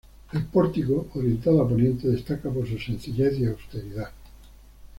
El pórtico, orientado a poniente, destaca por su sencillez y austeridad.